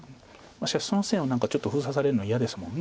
しかしその線を何かちょっと封鎖されるのは嫌ですもんね。